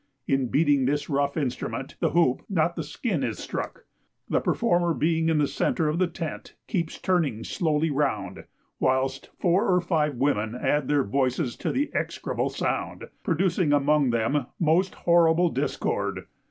In beating this rough instrument, the hoop, not the skin, is struck. The performer being in the centre of the tent, keeps turning slowly round, whilst four or five women add their voices to the execrable sound, producing among them most horrible discord.